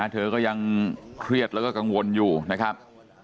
เธอก็ยังเครียดแล้วก็กังวลอยู่นะครับ